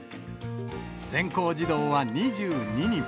全校児童は２２人。